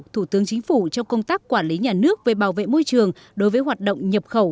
thủ tướng chính phủ trong công tác quản lý nhà nước về bảo vệ môi trường đối với hoạt động nhập khẩu